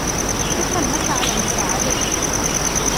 شكرا لك على مساعدتك.